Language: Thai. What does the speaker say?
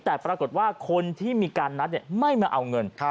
แต่ปรากฏว่าคนที่มีการนัดไม่มาเอาเงิน